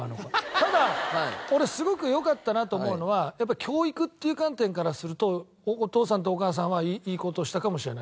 ただ俺すごく良かったなと思うのはやっぱり教育っていう観点からするとお父さんとお母さんはいい事をしたかもしれない。